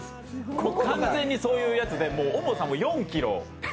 完全にそういうやつで重さも４ｋｇ。